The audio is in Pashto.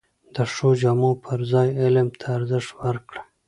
د ښو جامو پر ځای علم ته ارزښت ورکړئ!